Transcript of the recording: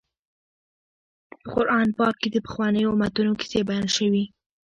په قران پاک کې د پخوانیو امتونو کیسې بیان شوي.